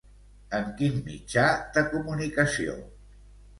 En quin mitjà de comunicació?